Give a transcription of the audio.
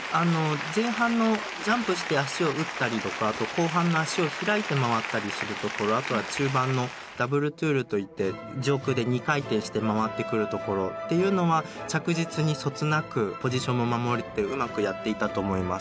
前半のジャンプして足を打ったりとかあと後半の足を開いて回ったりするところあとは中盤のダブルトゥールといって上空で２回転してまわってくるところっていうのは着実にそつなくポジションも守れてうまくやっていたと思います。